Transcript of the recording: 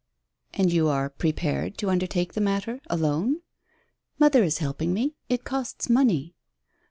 "And you are prepared to undertake the matter alone?" "Mother is helping me it costs money."